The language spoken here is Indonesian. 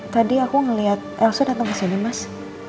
tadi aku ngeliat elsa datang kesini mas